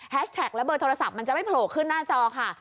แท็กและเบอร์โทรศัพท์มันจะไม่โผล่ขึ้นหน้าจอค่ะ